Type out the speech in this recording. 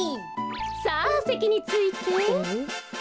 さあせきについて。